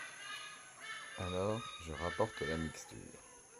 Alors, je rapporte la mixture…